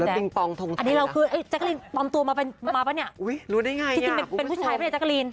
อันนี้เราคือจักรีนปลอมตัวมาปะเนี่ยจริงเป็นผู้ชายปะเนี่ยจักรีน